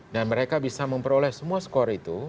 dan mereka bisa memperoleh semua skor itu